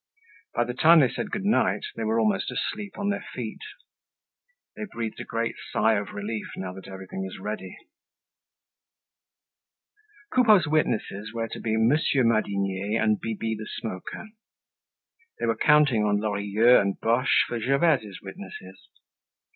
By the time they said "Good night," they were almost asleep on their feet. They breathed a great sigh of relief now that everything was ready. Coupeau's witnesses were to be Monsieur Madinier and Bibi the Smoker. They were counting on Lorilleux and Boche for Gervaise's witnesses.